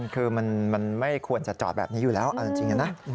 คือมันไม่ควรจะจอดแบบนี้อยู่แล้วเอาจริงนะ